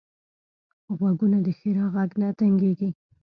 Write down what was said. غوږونه د ښیرا غږ نه تنګېږي